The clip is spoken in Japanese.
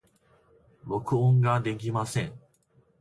録音ができません。